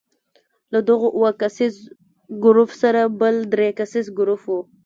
له دغو اووه کسیز ګروپ سره بل درې کسیز ګروپ وو.